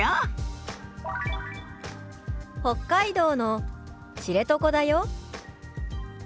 「北海道の知床だよ」。